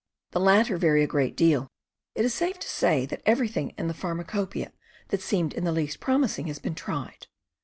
The latter vary a great deal. It is safe to say that everything in the pharmacopoeia that seemed in the least promising has been tried.